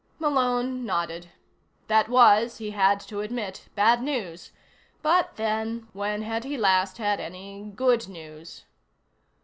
Malone nodded. That was, he had to admit, bad news. But then, when had he last had any good news?